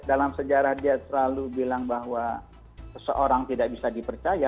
dalam sejarah dia selalu bilang bahwa seseorang tidak bisa dipercaya